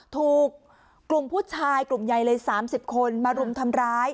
ถูกกลุ่มผู้ชายกลุ่มใหญ่เลย๓๐คนมารุมทำร้าย